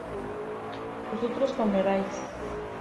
¿vosotras comierais?